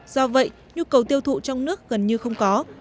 do vậy nhu cầu tiêu thụ trong nước gần như không có